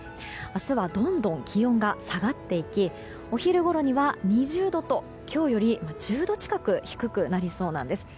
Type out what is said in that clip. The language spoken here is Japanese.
明日はどんどん気温が下がっていきお昼ごろには２０度と今日より１０度近く低くなりそうなんです。